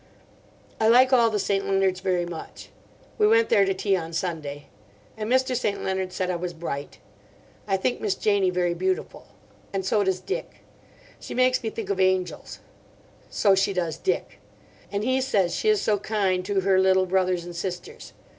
I like all the St. Leonards very much. We went there to tea on Sunday. And Mr. St. Leonard said I was bright. I think Miss Janie very beautiful. And so does Dick. She makes me think of angels. So she does Dick. And he says she is so kind to her little brothers and sisters.